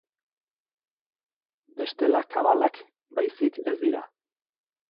Bestela, kabalak baizik ez dira!